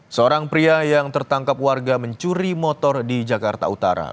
seorang pria yang tertangkap warga mencuri motor di jakarta utara